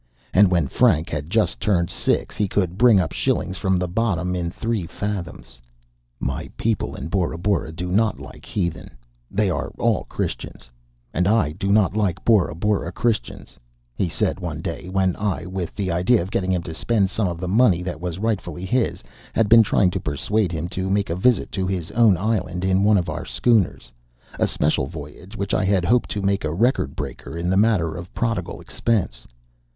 And when Frank had just turned six he could bring up shillings from the bottom in three fathoms. "My people in Bora Bora do not like heathen they are all Christians; and I do not like Bora Bora Christians," he said one day, when I, with the idea of getting him to spend some of the money that was rightfully his, had been trying to persuade him to make a visit to his own island in one of our schooners a special voyage which I had hoped to make a record breaker in the matter of prodigal expense.